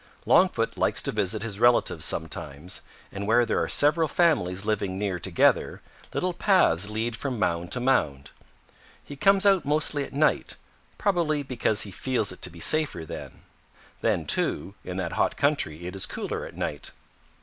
"Longfoot likes to visit his relatives sometimes, and where there are several families living near together, little paths lead from mound to mound. He comes out mostly at night, probably because he feels it to be safer then. Then, too, in that hot country it is cooler at night.